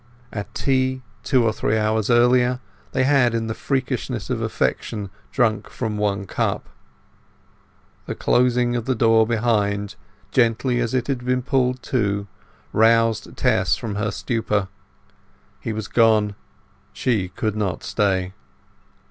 At tea, two or three hours earlier, they had, in the freakishness of affection, drunk from one cup. The closing of the door behind him, gently as it had been pulled to, roused Tess from her stupor. He was gone; she could not stay.